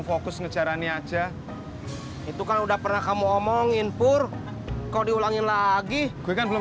fokus ngejar ani aja itu kan udah pernah kamu omongin pur kau diulangi lagi gue kan belum